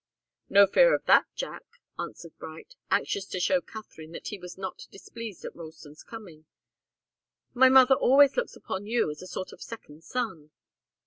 "No fear of that, Jack," answered Bright, anxious to show Katharine that he was not displeased at Ralston's coming. "My mother always looks upon you as a sort of second son."